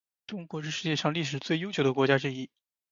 中国是世界上历史最悠久的国家之一。